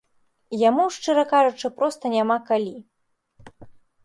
Яму, шчыра кажучы, проста няма калі.